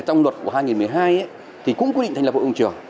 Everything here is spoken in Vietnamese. trong luật của hai nghìn một mươi hai thì cũng quyết định thành là vội đồng trường